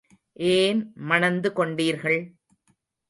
ஏன் மணந்து கொண்டீர்கள்?